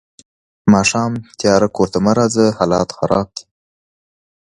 ماښام تیارۀ کور ته مه راځه حالات خراب دي.